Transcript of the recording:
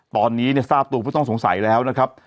ตอนนี้เนี่ยทราบตัวผู้ต้องสงสัยแล้วนะครับ